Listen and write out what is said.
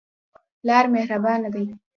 پلار مهربانه دی.